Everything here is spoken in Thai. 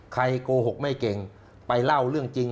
โกหกไม่เก่งไปเล่าเรื่องจริง